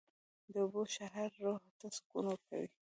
د اوبو شرهار روح ته سکون ورکوي